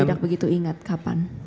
tidak begitu ingat kapan